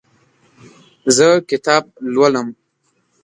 زه کتاب لولم.